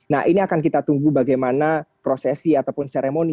nah ini akan kita tunggu bagaimana prosesi ataupun seremoni